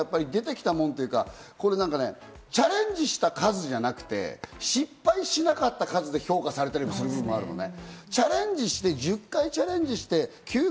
日本ってやっぱり出てきたものというか、チャレンジした数じゃなくて、失敗しなかった数で評価されてる部分もあるのね。